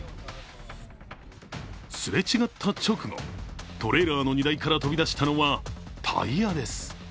すれ違った直後、トレーラーの荷台から飛び出したのはタイヤです。